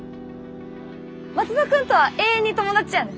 松戸君とは永遠に友達やねん。